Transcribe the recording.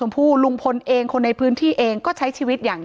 ถ้าใครอยากรู้ว่าลุงพลมีโปรแกรมทำอะไรที่ไหนยังไง